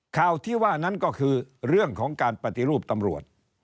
ข่าวที่ว่านั้นก็คือเรื่องของการปฏิรูปตำรวจ